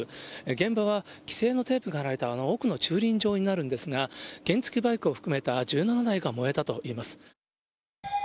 現場は規制のテープが張られたあの奥の駐輪場になるんですが、原付バイクを含めた１７台が燃えたといいます。